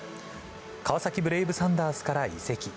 川崎ブレイブサンダースから移籍。